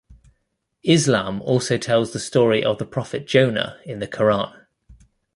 Islam also tells the story of the Prophet Jonah in the Koran.